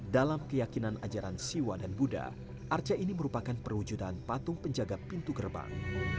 dalam keyakinan ajaran siwa dan buddha arca ini merupakan perwujudan patung penjaga pintu gerbang